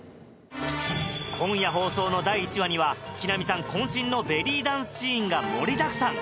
今夜放送の第１話には木南さん渾身のベリーダンスシーンが盛りだくさん